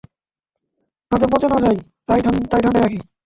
যাতে পঁচে না যায় তাই ঠান্ডায় রাখি।